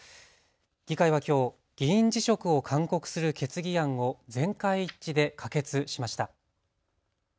議会はきょう議員辞職を勧告する決議案を全会一致で可決しました。